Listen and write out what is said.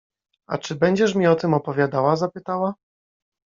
— A czy będziesz mi o tym opowiadała? — zapytała.